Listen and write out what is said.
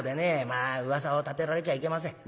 まあ噂を立てられちゃいけません。